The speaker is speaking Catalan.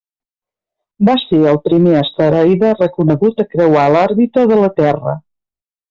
Va ser el primer asteroide reconegut a creuar l'òrbita de la Terra.